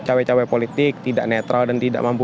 cewek cewek politik tidak netral dan tidak mampu